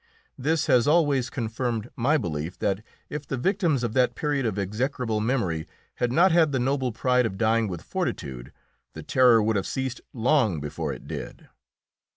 This has always confirmed my belief that if the victims of that period of execrable memory had not had the noble pride of dying with fortitude the Terror would have ceased long before it did.